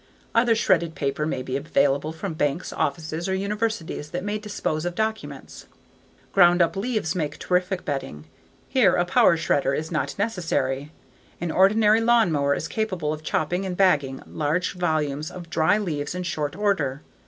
Other shredded paper may be available from banks, offices, or universities that may dispose of documents. Ground up leaves make terrific bedding. Here a power shredder is not necessary. An ordinary lawnmower is capable of chopping and bagging large volumes of dry leaves in short order.